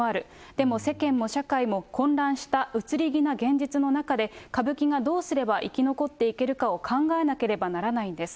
でも世間も社会も混乱した移り気な現実の中で、歌舞伎がどうすれば生き残っていけるかを考えなければならないんです。